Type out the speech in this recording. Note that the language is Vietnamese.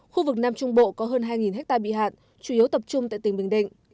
khu vực nam trung bộ có hơn hai hectare bị hạn chủ yếu tập trung tại tỉnh bình định